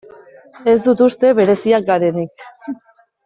Ez dut uste bereziak garenik.